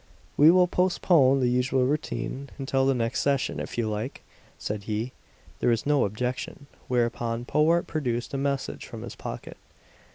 "We will postpone the usual routine until the next session if you like," said he. There was no objection; whereupon Powart produced a message from his pocket.